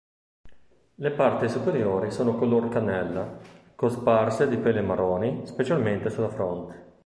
Le parti superiori sono color cannella, cosparse di peli marroni, specialmente sulla fronte.